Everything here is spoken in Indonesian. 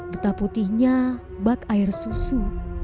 beta putihnya bak air susu